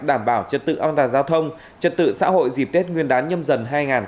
đảm bảo trật tự an toàn giao thông trật tự xã hội dịp tết nguyên đán nhâm dần hai nghìn hai mươi bốn